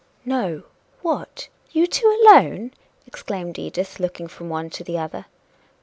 "No! what? you two alone!" exclaimed Edith, looking from one to the other.